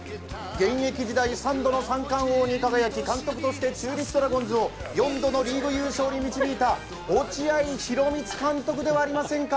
三冠王に輝き監督として中日ドラゴンズを４度の優勝に導いた落合博満監督ではありませんか。